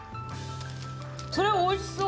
それ美味しそう。